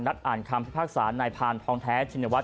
อ่านคำพิพากษานายพานทองแท้ชินวัฒ